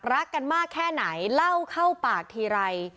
รักกันมากแค่ไหนเล่าเข้าปากทีไร